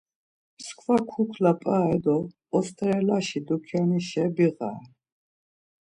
Mskva kukla p̌are do osteraleşi dukyanişe viğare.